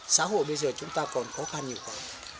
xã hội bây giờ chúng ta còn khó khăn nhiều khó